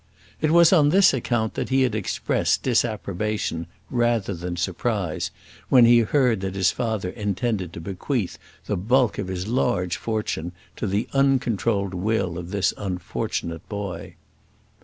It was on this account that he had expressed disapprobation, rather than surprise, when he heard that his father intended to bequeath the bulk of his large fortune to the uncontrolled will of this unfortunate boy.